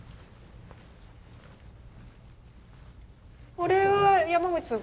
これは山口さん